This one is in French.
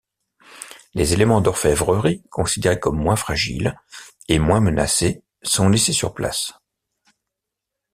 Les éléments d’orfèvrerie, considérés comme moins fragiles et moins menacés, sont laissés sur place.